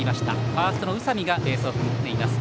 ファーストの宇佐美がベースを踏んでいます。